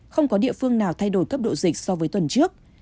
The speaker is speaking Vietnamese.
không có địa phương nào thay đổi cấp độ dịch so với tuần trước